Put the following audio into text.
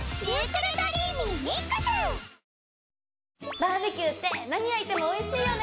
バーベキューってなに焼いてもおいしいよね！